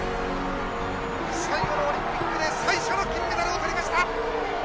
最後のオリンピックで、最初の金メダルをとりま